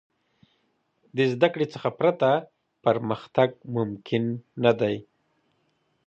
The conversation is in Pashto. د زدهکړې څخه پرته، پرمختګ ممکن نه دی.